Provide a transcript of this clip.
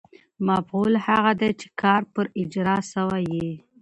مفعول هغه دئ، چي کار پر اجراء سوی يي.